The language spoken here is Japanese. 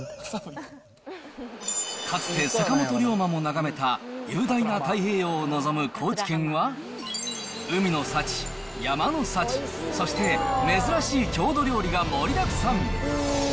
かつて坂本龍馬も眺めた、雄大な太平洋を望む高知県は、海の幸、山の幸、そして珍しい郷土料理が盛りだくさん。